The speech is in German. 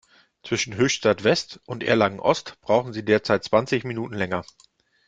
Zwischen Höchstadt-West und Erlangen-Ost brauchen Sie derzeit zwanzig Minuten länger.